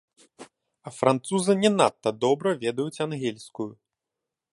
А французы не надта добра ведаюць ангельскую.